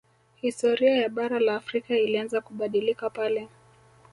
Historia ya bara la Afrika ilianza kubadilika pale